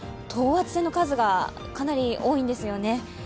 等圧線の数がかなり多いんですよね。